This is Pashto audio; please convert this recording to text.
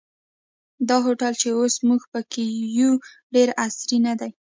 دا هوټل چې اوس موږ په کې یو ډېر عصري نه دی.